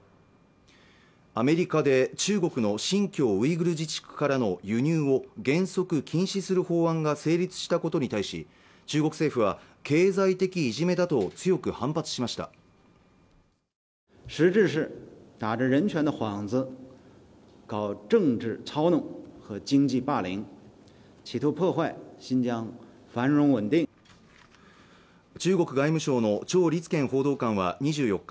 アメリカで中国の新疆ウイグル自治区からの輸入を原則禁止する法案が成立したことに対し中国政府は経済的いじめだと強く反発しました中国外務省の趙立堅報道官は２４日